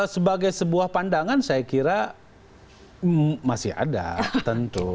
sebagai sebuah pandangan saya kira masih ada tentu